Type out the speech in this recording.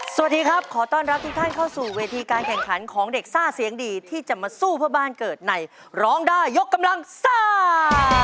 สวัสดีครับขอต้อนรับทุกท่านเข้าสู่เวทีการแข่งขันของเด็กซ่าเสียงดีที่จะมาสู้เพื่อบ้านเกิดในร้องได้ยกกำลังซ่า